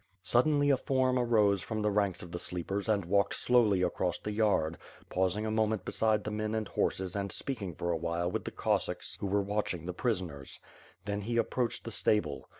Suddenly a form arose from the ranks of the sleepers and walked slowly across the yard, pausing a moment beside the men and horses and speaking for a while with the Cossacks who were watching the prisoners; then he approached the stable.